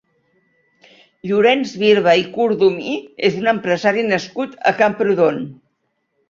Llorenç Birba i Cordomí és un empresari nascut a Camprodon.